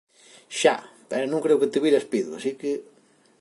Xa, pero non creo que te vira espido, así que...